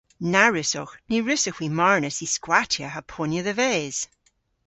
Na wrussowgh. Ny wrussowgh hwi marnas y skwattya ha ponya dhe-ves.